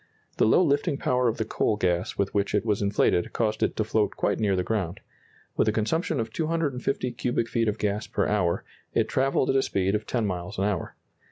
The low lifting power of the coal gas with which it was inflated caused it to float quite near the ground. With a consumption of 250 cubic feet of gas per hour, it travelled at a speed of ten miles an hour.